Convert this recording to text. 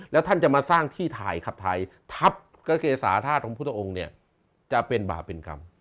แล้วท่านจะมาสร้างที่ถ่ายขับถ่ายทัพก็คือเกษาธาตุของพุทธองค์เนี่ยจะเป็นบาปเป็นกรรม